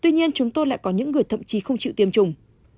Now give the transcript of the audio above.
tuy nhiên chúng tôi lại có những người thậm chí không chịu tiêm chủng